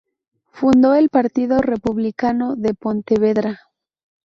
Fundó el Partido Republicano de Pontevedra.